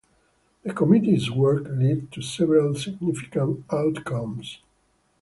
The committee's work led to several significant outcomes.